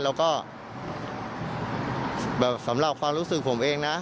แล้วก็แบบสำหรับความรู้สึกผมเองนะ